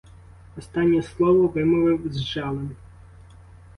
Останнє слово вимовив з жалем.